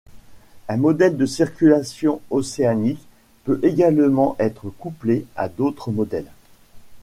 Un modèle de circulation océanique peut également être couplé à d'autres modèles.